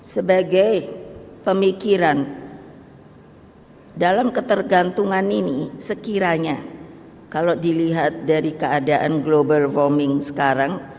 sebagai pemikiran dalam ketergantungan ini sekiranya kalau dilihat dari keadaan global warming sekarang